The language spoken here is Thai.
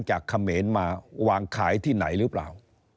เขมรมาวางขายที่ไหนหรือเปล่า